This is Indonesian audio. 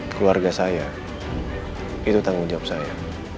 keluarga saya itu tanggung jawab saya